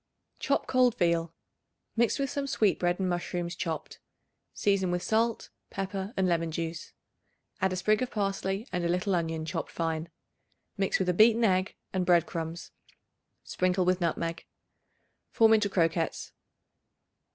Chop cold veal. Mix with some sweetbread and mushrooms chopped. Season with salt, pepper and lemon juice. Add a sprig of parsley and a little onion chopped fine. Mix with a beaten egg and bread crumbs; sprinkle with nutmeg. Form into croquettes.